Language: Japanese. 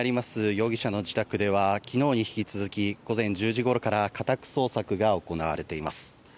容疑者の自宅では昨日に引き続き午前１０時ごろから家宅捜索が行われています。